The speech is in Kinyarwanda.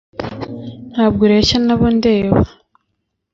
Ntabwo ureshya nabo ndeba